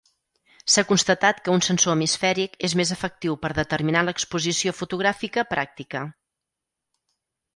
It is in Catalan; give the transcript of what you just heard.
S'ha constatat que un sensor hemisfèric és més efectiu per determinar l'exposició fotogràfica pràctica.